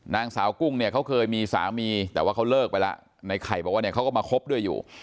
นางสาวกุ้งเนี่ยเขาเคยมีสามีแต่ว่าเขาเลิกไปแล้วในไข่บอกว่าเนี่ยเขาก็มาคบด้วยอยู่